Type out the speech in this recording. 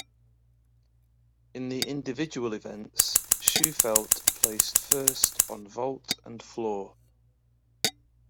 In the individual events, Shewfelt placed first on vault and floor.